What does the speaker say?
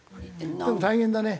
大変だね。